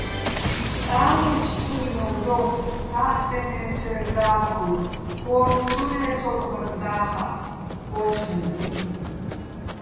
სტამიჩ ჭუ́ინოვ დო, ქასტეჼ მე ცე́რ დალ'ულო̆, ქო́რთო̆ ცო ლე́ცობმაკ და́ხაჸ ო ჩხინდრინ.